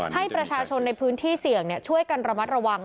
ให้ประชาชนในพื้นที่เสี่ยงช่วยกันระมัดระวัง